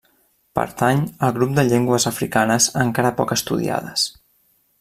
Pertany al grup de llengües africanes encara poc estudiades.